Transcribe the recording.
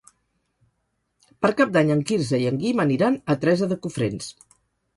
Per Cap d'Any en Quirze i en Guim aniran a Teresa de Cofrents.